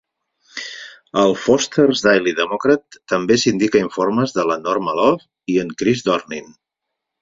El "Foster's Daily Democrat" també sindica informes de la Norma Love i en Chris Dornin.